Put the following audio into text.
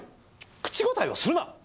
口答えをするな！